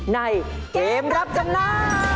ในเกมรับจำนำ